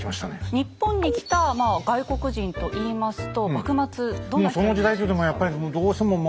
日本に来た外国人といいますと幕末どんな人の印象ですか？